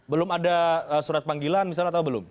belum ada surat panggilan misalnya atau belum